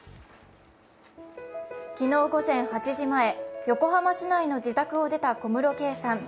昨日午前８時前、横浜市内の自宅を出た小室圭さん。